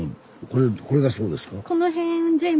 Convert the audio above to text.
これがそうですか？